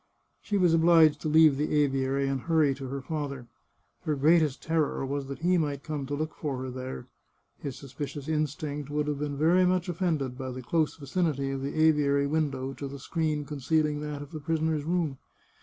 She was obliged to leave the aviary and hurry to her father. Her greatest terror was that he might come to look for her there. His suspicious instinct would have been very much offended by the dose vicinity of the aviary window to the screen concealing that of the prisoner's room.